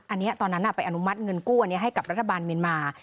อันนี้ตอนนั้นไปอนุมัติเงินกู้อันนี้ให้กับรัฐบาลเมียนมา